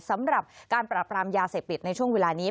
สำหรับการปราบรามยาเสพติดในช่วงเวลานี้